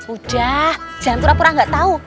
udah jangan pura pura nggak tahu